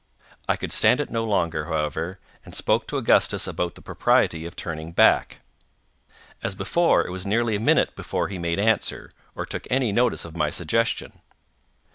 I could stand it no longer, however, and spoke to Augustus about the propriety of turning back. As before, it was nearly a minute before he made answer, or took any notice of my suggestion.